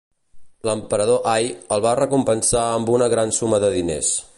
L'emperador Ai el va recompensar amb una gran suma de diners.